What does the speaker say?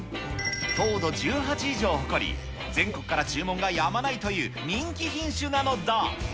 糖度１８以上を誇り、全国から注文がやまないという人気品種なのだ。